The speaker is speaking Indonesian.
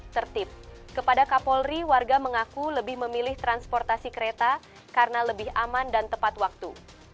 tertib kepada kapolri warga mengaku lebih memilih transportasi kereta karena lebih aman dan tepat waktu